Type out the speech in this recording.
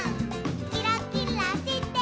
「キラキラしてるよ」